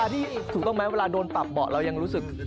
ที่ถูกต้องไหมเวลาโดนปรับเบาะเรายังรู้สึก